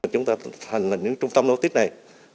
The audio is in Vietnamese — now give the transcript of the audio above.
chúng ta thành thành những trung tâm logistic này